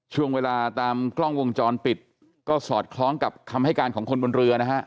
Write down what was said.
ช่วงเวลาตามกล้องวงจรปิดก็สอดคล้องกับคำให้การของคนบนเรือนะฮะ